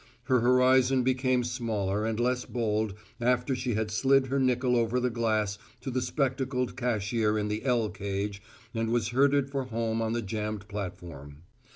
Her horizon became smaller and less bold after she had slid her nickel over the glass to the spectacled cashier in the L cage and was herded for home on the jammed platform.